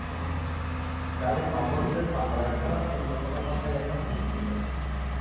গাড়ির number plate বাংলায় ছাড়া অন্য কোনো ভাষায় লেখার যুক্তি নেই।